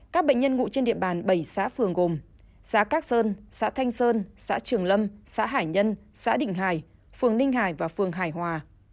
các bệnh nhân ngụ trên địa bàn bảy xã phường gồm xã cát sơn xã thanh sơn xã trường lâm xã hải nhân xã định hải phường ninh hải và phường hải hòa